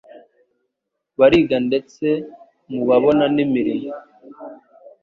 bariga ndetse mu babonanimirimo